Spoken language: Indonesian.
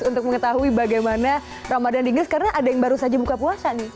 untuk mengetahui bagaimana ramadan di inggris karena ada yang baru saja buka puasa nih